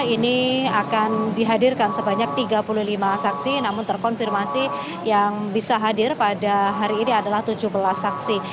ini akan dihadirkan sebanyak tiga puluh lima saksi namun terkonfirmasi yang bisa hadir pada hari ini adalah tujuh belas saksi